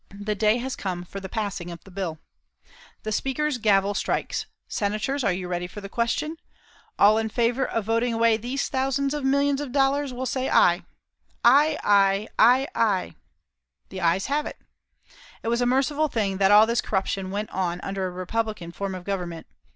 The day has come for the passing of the bill. The Speaker's gavel strikes. "Senators, are you ready for the question? All in favour of voting away these thousands of millions of dollars will say, 'Ay.'" "Ay! Ay! Ay! Ay!" "The Ays have it." It was a merciful thing that all this corruption went on under a republican form of government.